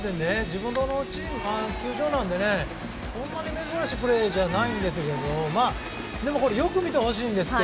自分の球場なんでそんなに珍しいプレーじゃないんですけどでも、よく見てほしいんですが